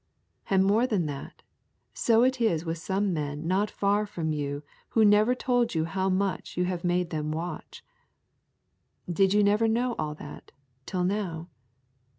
And more than that, so it is with some men not far from you who never told you how much you have made them watch. Did you never know all that till now?